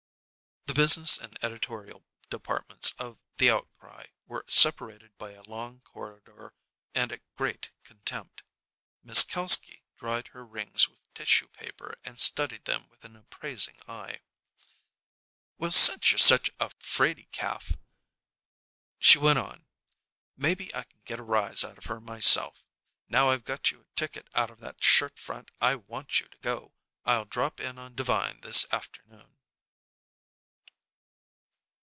The business and editorial departments of "The Outcry" were separated by a long corridor and a great contempt. Miss Kalski dried her rings with tissue paper and studied them with an appraising eye. "Well, since you're such a 'fraidy calf,'" she went on, "maybe I can get a rise out of her myself. Now I've got you a ticket out of that shirt front, I want you to go. I'll drop in on Devine this afternoon."